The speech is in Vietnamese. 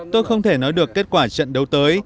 tôi không thể nói được kết quả trận đấu tới